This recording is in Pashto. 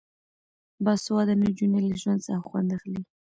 باسواده نجونې له ژوند څخه خوند اخلي.